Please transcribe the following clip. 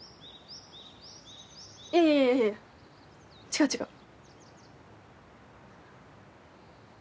いやいやいや違う違う。